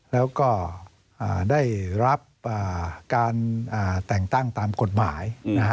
แล้วก็ได้รับการแต่งตั้งตามกฎหมาย